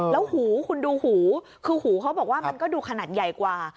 แล้วหูคุณดูหูคือหูเขาบอกว่ามันก็ดูขนาดใหญ่กว่า